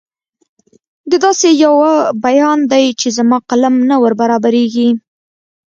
دا داسې یو بیان دی چې زما قلم نه وربرابرېږي.